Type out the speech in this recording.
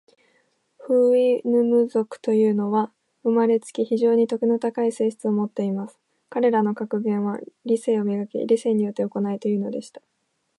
フウイヌム族というのは、生れつき、非常に徳の高い性質を持っています。彼等の格言は、『理性を磨け。理性によって行え。』というのでした。